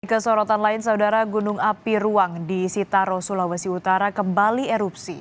kesorotan lain saudara gunung api ruang di sitaro sulawesi utara kembali erupsi